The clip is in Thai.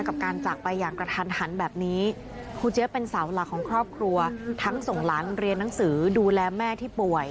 กับการจากไปอย่างกระทันหันแบบนี้ครูเจี๊ยบเป็นเสาหลักของครอบครัวทั้งส่งหลานเรียนหนังสือดูแลแม่ที่ป่วย